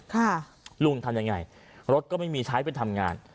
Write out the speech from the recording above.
ค่ะลุงทำยังไงรถก็ไม่มีใช้ไปทำงาน